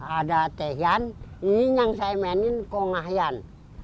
ada tehian ini yang saya mainin kongahian